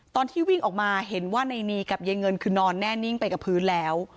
ตอนที่วิ่งออกมาเห็นว่าในนีกับยายเงินคือนอนแน่นิ่งไปกับพื้นแล้ว